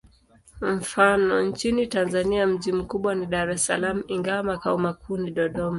Mfano: nchini Tanzania mji mkubwa ni Dar es Salaam, ingawa makao makuu ni Dodoma.